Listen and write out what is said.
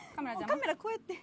カメラこうやって。